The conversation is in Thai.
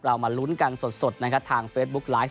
เรามารุ้นกันสดทางไฟตบุ๊กไลฟ์